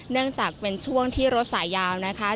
เนื่องจากเป็นช่วงที่รถสายยาวนะคะ